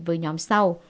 với nhóm sau